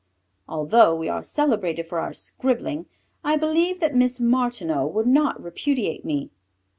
Although we are celebrated for our scribbling I believe that Miss Martineau would not repudiate me.